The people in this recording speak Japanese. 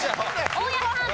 大家さん。